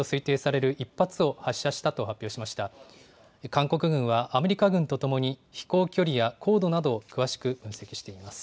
韓国軍はアメリカ軍とともに、飛行距離や高度など詳しく分析しています。